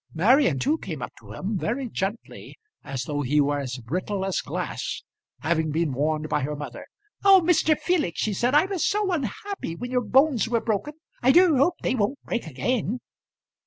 Marian too came up to him, very gently, as though he were as brittle as glass, having been warned by her mother. "Oh, Mr. Felix," she said, "I was so unhappy when your bones were broken. I do hope they won't break again."